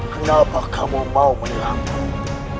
kenapa kamu mau menyerangku